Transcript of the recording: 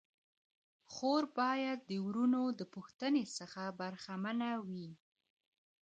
خور باید د وروڼو د پوښتني څخه برخه منه وي.